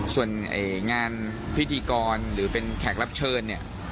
ส่วนงานพิธีกรหรือเป็นแขกรับเชิญเนี่ย